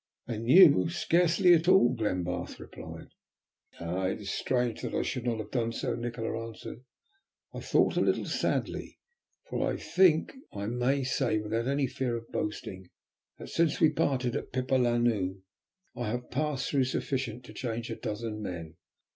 "And you, scarcely at all," Glenbarth replied. "It is strange that I should not have done so," Nikola answered, I thought a little sadly, "for I think I may say without any fear of boasting that, since we parted at Pipa Lannu, I have passed through sufficient to change a dozen men.